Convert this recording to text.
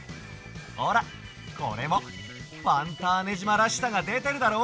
ほらこれもファンターネじまらしさがでてるだろ？